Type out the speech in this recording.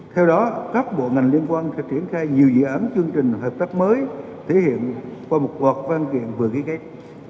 theo đó các bộ ngành liên quan sẽ triển khai nhiều dự án chương trình hợp tác mới thể hiện qua một quạt văn kiện vừa ghi kết